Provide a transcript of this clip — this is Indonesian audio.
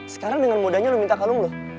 sekarang dengan mudahnya lo minta kalung lo